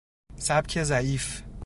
سبک ضعیف